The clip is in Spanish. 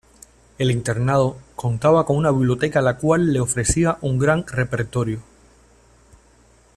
El internado contaba con una biblioteca la cual le ofrecía un gran repertorio.